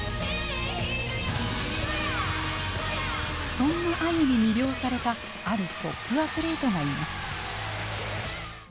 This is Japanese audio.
そんなあゆに魅了されたあるトップアスリートがいます。